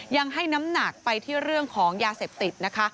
ยังให้น้ำหนักไปที่เรื่องของยาเสพติดนะคะ